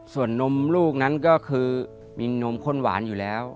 ส่วนนมลูกนั้นก็คือมีนมข้นหวานอยู่แล้ว